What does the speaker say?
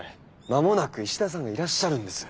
間もなく石田さんがいらっしゃるんです。